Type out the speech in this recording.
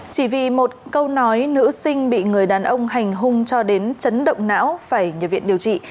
chỉ vì một câu nói nữ sinh bị người đàn ông hành hung cho đến chấn động não phải nhập viện điều trị